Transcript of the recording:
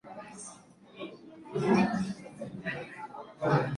刘谨之为武进西营刘氏第十五世。